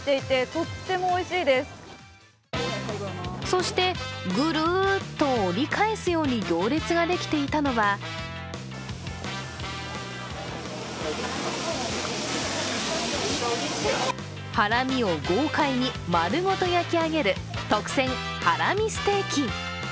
そして、ぐるっと折り返すように行列ができていたのはハラミを豪快に丸ごと焼き上げる特選ハラミステーキ。